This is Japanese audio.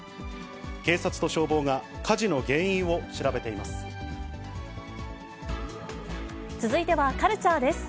警察と消防が火事の原因を調べて続いてはカルチャーです。